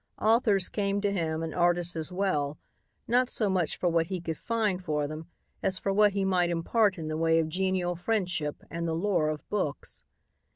Authors came to him and artists as well, not so much for what he could find for them as for what he might impart in the way of genial friendship and the lore of books.